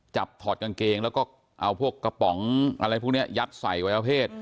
ถอดกางเกงแล้วก็เอาพวกกระป๋องอะไรพวกนี้ยัดใส่วัยวเพศ